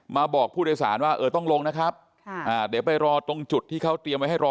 บอกผู้โดยสารว่าเออต้องลงนะครับเดี๋ยวไปรอตรงจุดที่เขาเตรียมไว้ให้รอ